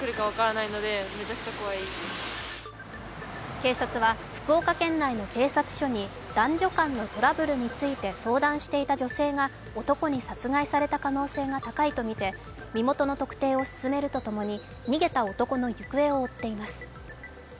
警察は福岡県内の警察署に男女間のトラブルについて相談していた女性が男に殺害された可能性が高いとみて身元の特定を進めるとともに逃げた男の行方を追っています。